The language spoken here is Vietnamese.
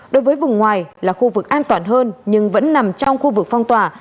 đối với vùng ngoài là khu vực an toàn hơn nhưng vẫn nằm trong khu vực phong tỏa